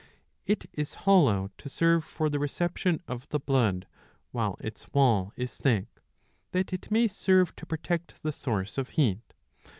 It is hollow to serve for the reception of the blood, while its wall is thick, that it may serve to protect the source of heat.